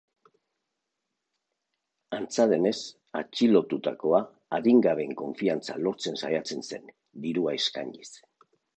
Antza denez, atxilotutakoa adingabeen konfiantza lortzen saiatzen zen, dirua eskainiz.